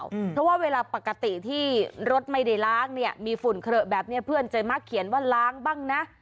เพราะว่าเวลาปกติที่รถไม่ได้ล้างเนี่ยมีฝุ่นเคลอะแบบนี้เพื่อนใจมักเขียนว่าล้างบ้างนะ